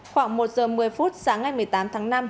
khoảng một giờ một mươi phút sáng ngày một mươi tám tháng năm